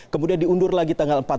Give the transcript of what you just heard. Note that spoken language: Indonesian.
kemudian diundur lagi tanggal empat belas